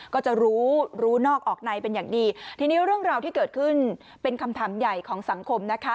ก็จะรู้รู้นอกออกในเป็นอย่างดีทีนี้เรื่องราวที่เกิดขึ้นเป็นคำถามใหญ่ของสังคมนะคะ